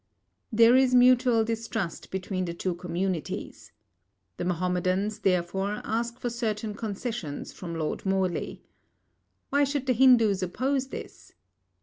There is mutual distrust between the two communities. The Mahomedans, therefore, ask for certain concessions from Lord Morley. Why should the Hindus oppose this?